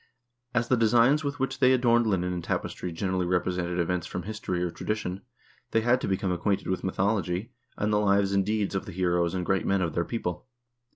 As the designs with which they adorned linen and tapestry generally represented events from his tory or tradition, they had to become acquainted with mythology and the lives and deeds of the heroes and great men of their people.